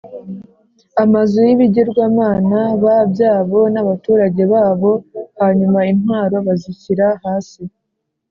amazu y ibigirwamana b byabo n abaturage babo Hanyuma intwaro bazishyira hasi